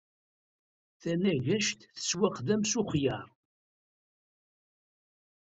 Taganect tettwaxdam s uxyar.